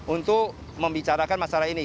untuk membicarakan masalah ini